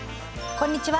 こんにちは